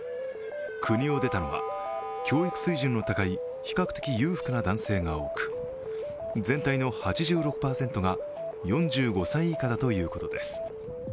国を出たのは教育水準の高い比較的裕福な男性が多く全体の８６％が４５歳以下だということです。